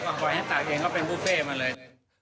ปล่อยให้ตากเองก็เป็นบุฟเฟ่มาเลย